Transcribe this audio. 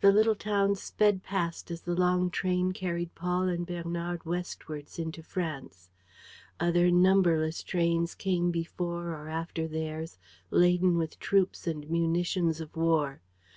The little towns sped past as the long train carried Paul and Bernard westwards into France. Other, numberless trains came before or after theirs, laden with troops and munitions of war.